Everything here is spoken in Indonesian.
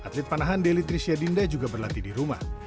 atlet panahan deli trisha dinda juga berlatih di rumah